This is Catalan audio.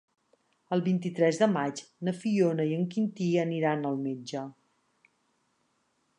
El vint-i-tres de maig na Fiona i en Quintí aniran al metge.